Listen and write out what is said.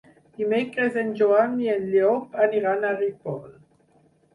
Dimecres en Joan i en Llop aniran a Ripoll.